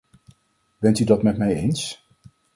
Bent u dat met mij eens?